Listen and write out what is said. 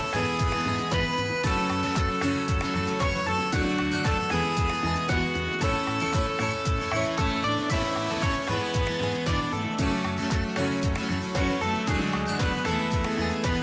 สวัสดีครับ